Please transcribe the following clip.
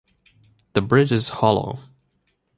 The bridge is hollow.